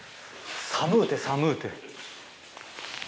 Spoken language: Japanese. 寒うて寒うて。